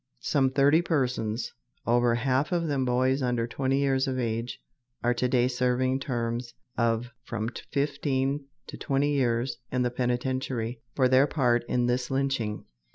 Some thirty persons, over half of them boys under twenty years of age, are to day serving terms of from fifteen to twenty years in the penitentiary for their part in this lynching.